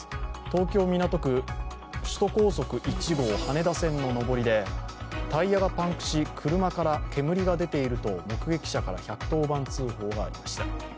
東京・港区、首都高速１号羽田線の上りでタイヤがパンクし、車が煙が出ていると目撃者から１１０番通報がありました。